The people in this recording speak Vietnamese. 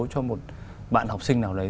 cho một bạn học sinh nào đấy